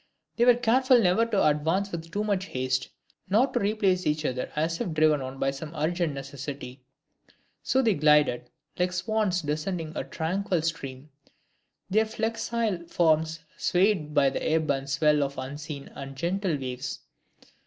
They were careful never to advance with too much haste, nor to replace each other as if driven on by some urgent necessity. On they glided, like swans descending a tranquil stream, their flexile forms swayed by the ebb and swell of unseen and gentle waves.